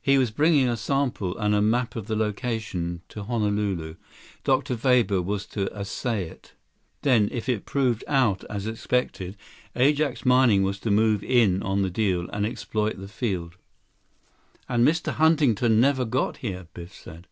He was bringing a sample, and a map of the location, to Honolulu. Dr. Weber was to assay it. Then, if it proved out as expected, Ajax Mining was to move in on the deal and exploit the field." "And Mr. Huntington never got here," Biff said.